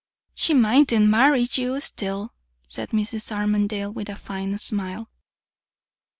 "She mightn't marry you, still," said Mrs. Armadale, with a fine smile.